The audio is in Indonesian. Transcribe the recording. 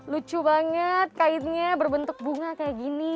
lucu banget kainnya berbentuk bunga kayak gini